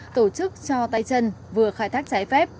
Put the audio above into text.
tổ chức cho tay chân vừa khai thác trái phép